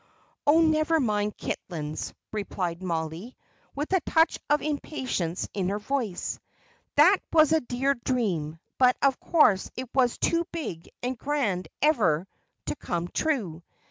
"Oh, never mind Kitlands," replied Mollie, with a touch of impatience in her voice. "That was a dear dream, but of course it was too big and grand ever to come true.